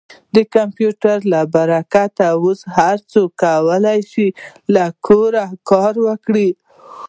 د کمپیوټر له برکته اوس هر څوک کولی شي له کوره کار وکړي.